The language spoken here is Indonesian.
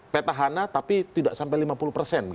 petahana tapi tidak sampai lima puluh persen